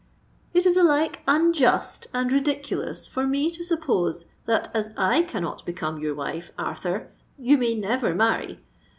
"It is alike unjust and ridiculous for me to suppose that, as I cannot become your wife, Arthur, you may never marry.